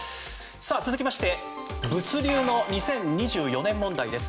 続きまして物流の２０２４年問題です。